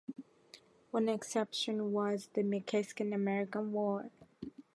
One exception was the Mexican American War.